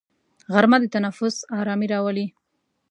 غرمه د تنفس ارامي راولي